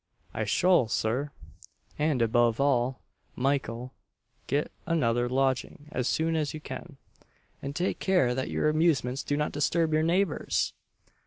"I sholl, Sir!" "And, above all, Michael, get another lodging as soon as you can; and take care that your amusements do not disturb your neighbours."